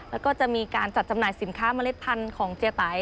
แล้วก็จะมีการจัดจำหน่ายสินค้าเมล็ดพันธุ์ของเจียไต